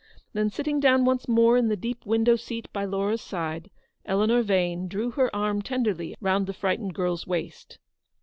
Then sitting down once more in the deep window seat by Laura's side, Eleanor Vane drew her arm tenderly round the frightened girls waist.